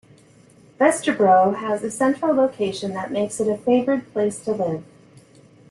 Vesterbro has a central location that makes it a favored place to live.